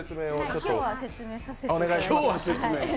今日は説明させていただきます。